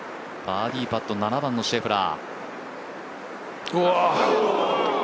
バーディーパット７番のシェフラー。